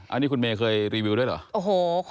อันนี้คุณเมย์เคยรีวิวด้วยเหรอ